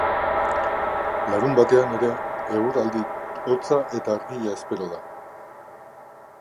Larunbatean ere eguraldi hotza eta argia espero da.